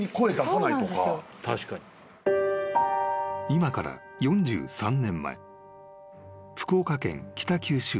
［今から４３年前］